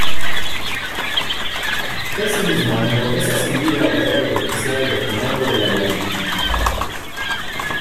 Ese mismo año es ascendido al grado de oficial de comando de la Marina.